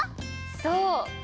そう！